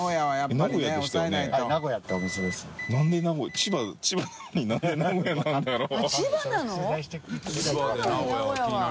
何屋さんだろう？